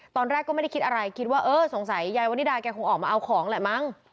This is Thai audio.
ตอนแรกก็ไม่ได้คิดอะไรคิดว่าเออสงสัยยายวนิดาแกคงออกมาเอาของแหละมั้ง